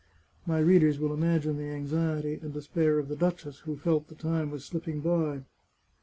My readers will imagine the anxiety and despair of the duchess, who felt the time was slipping by.